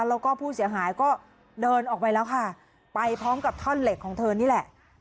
แล้วก็ผู้เสียหายก็เดินออกไปแล้วค่ะไปพร้อมกับท่อนเหล็กของเธอนี่แหละ